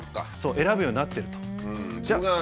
選ぶようになっていると。